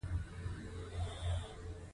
ډونرانو د یادو مواردو لپاره د مرستو تعهد وکړ.